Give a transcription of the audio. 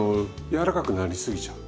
柔らかくなりすぎちゃう。